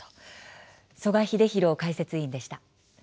曽我英弘解説委員でした。